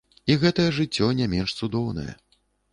І гэтае жыццё не менш цудоўнае.